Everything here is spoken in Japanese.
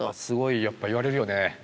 すごいやっぱ言われるよね